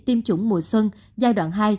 tiêm chủng mùa xuân giai đoạn hai